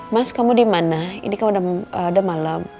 mas kamu dimana ini udah malam